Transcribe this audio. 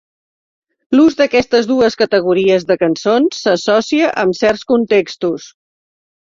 L'ús d'aquestes dues categories de cançons s'associa amb certs contextos.